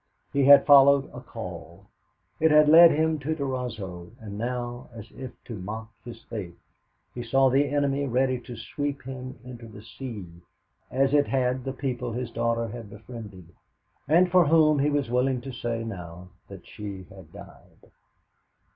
He had followed a call. It had led him to Durazzo, and now, as if to mock his faith, he saw the enemy ready to sweep him into the sea as it had the people his daughter had befriended, and for whom he was willing to say now that she had died.